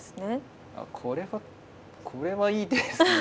これはこれはいい手ですね。